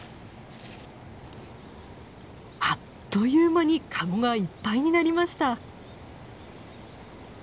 あっという間にカゴがいっぱいになりました。